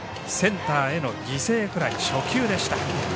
センターへの犠牲フライ初球でした。